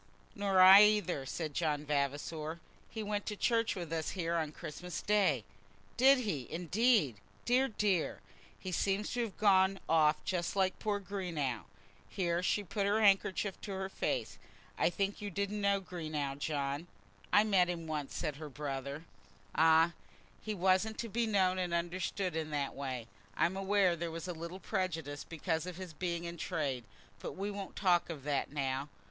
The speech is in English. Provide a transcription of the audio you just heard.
"Nor I, either," said John Vavasor. "He went to church with us here on Christmas day." "Did he, indeed? Dear, dear! He seems at last to have gone off just like poor Greenow." Here she put her handkerchief up to her face. "I think you didn't know Greenow, John?" "I met him once," said her brother. "Ah! he wasn't to be known and understood in that way. I'm aware there was a little prejudice, because of his being in trade, but we won't talk of that now.